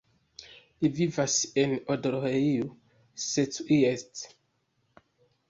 Li vivas en Odorheiu Secuiesc.